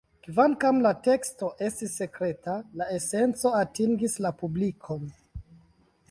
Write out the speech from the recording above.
Kvankam la teksto estis sekreta, la esenco atingis la publikon.